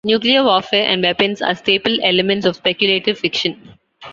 Nuclear warfare and weapons are staple elements of speculative fiction.